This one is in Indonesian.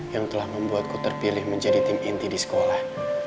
yang telah membuatku terpilih menjadi tim inti di sekolah